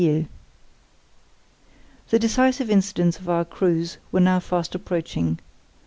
] The decisive incidents of our cruise were now fast approaching.